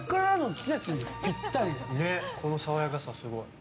この爽やかさ、すごい。